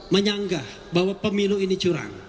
menyanggah bahwa pemilu ini curang